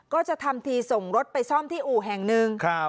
ก็จะท่ำทีส่งรถไปซ่อมที่อู่แห่งนึง